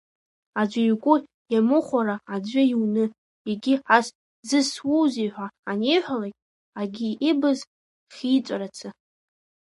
Аӡәы игәы иамыхәара аӡәы иуны, егьи ас зысзуузеи ҳәа аниҳәалакь, агьи ибыз хиҵәарацы.